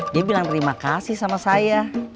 dia bilang terima kasih sama saya